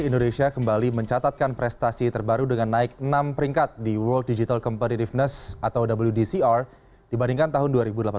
indonesia kembali mencatatkan prestasi terbaru dengan naik enam peringkat di world digital competitiveness atau wdcr dibandingkan tahun dua ribu delapan belas